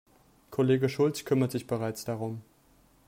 Kollege Schulz kümmert sich bereits darum.